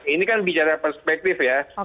ini kan bicara perspektif ya